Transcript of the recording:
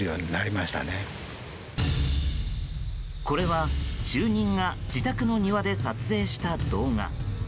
これは、住人が自宅の庭で撮影した動画。